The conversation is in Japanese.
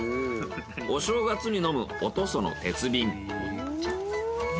お正月に飲むお屠蘇の鉄瓶。